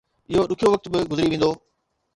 اهو ڏکيو وقت به گذري ويندو